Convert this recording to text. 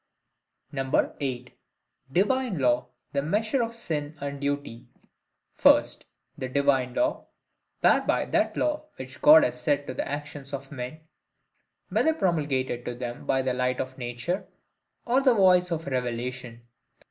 8. Divine Law the Measure of Sin and Duty. First, the DIVINE LAW, whereby that law which God has set to the actions of men,—whether promulgated to them by the light of nature, or the voice of revelation.